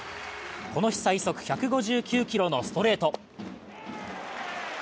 この日、最速１５９キロのストレート。